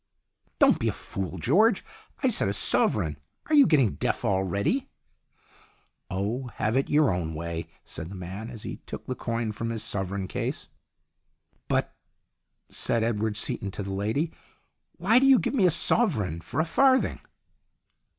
"Don't be a fool, George. I said a sovereign. Are you getting deaf already ?"" Oh, have it your own way," said the man, as he took the coin from his sovereign case. "But," said Edward Seaton to the lady, "why do you give me a sovereign for a farthing